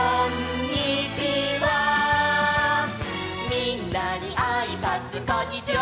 「みんなにあいさつこんにちは！」